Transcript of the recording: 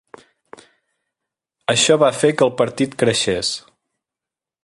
Això va fer que el partit creixés.